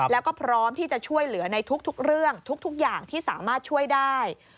แล้วก็พร้อมที่จะช่วยเหลือในทุกเรื่องทุกอย่างที่สามารถช่วยได้